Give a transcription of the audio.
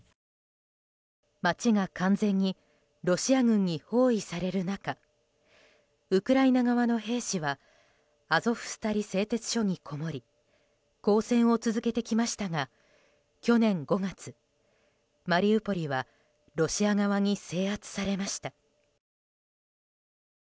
街が完全にロシア軍に包囲される中ウクライナ側の兵士はアゾフスタリ製鉄所にこもり抗戦を続けてきましたが去年５月、マリウポリはロシア側に制圧されました。